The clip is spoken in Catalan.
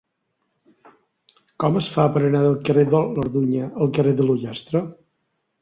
Com es fa per anar del carrer de l'Orduña al carrer de l'Ullastre?